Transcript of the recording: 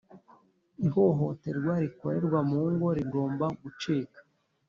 Ihohoterwa rikorerwa mu ngo rigomba gucika